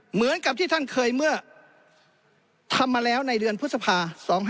เหมือนกับที่ท่านเคยเมื่อทำมาแล้วในเดือนพฤษภา๒๕๖๒